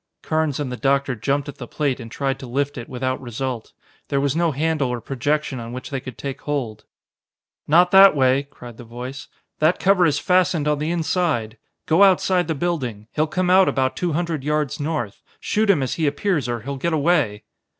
Carnes and the doctor jumped at the plate and tried to lift it, without result. There was no handle or projection on which they could take hold. "Not that way," cried the voice. "That cover is fastened on the inside. Go outside the building; he'll come out about two hundred yards north. Shoot him as he appears or he'll get away."